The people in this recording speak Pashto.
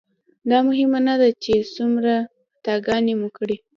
دا مهمه نه ده چې څومره خطاګانې مو کړي.